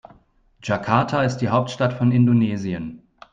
Jakarta ist die Hauptstadt von Indonesien.